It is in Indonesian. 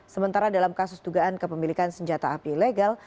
sementara dalam kasus dugaan kepemilikan senjata api ilegal